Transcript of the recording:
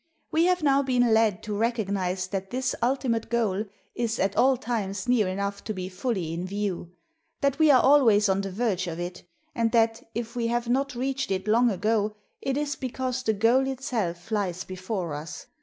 We have now been led to recognize that this ultimate goal is at all times near enough to be fully in view; that we are always on the verge of it, and that, if we have not reached it long ago, it is because the goal itself flies before us.